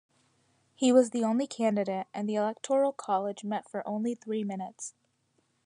He was the only candidate, and the Electoral College met for only three minutes.